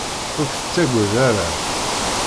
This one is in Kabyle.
Ur k-tettagad ara.